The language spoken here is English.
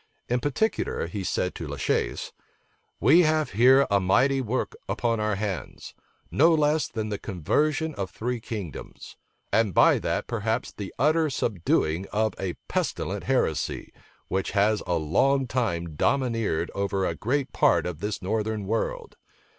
In particular, he said to La Chaise, "We have here a mighty work upon our hands, no less than the conversion of three kingdoms, and by that perhaps the utter subduing of a pestilent heresy, which has a long time domineered over a great part of this northern world.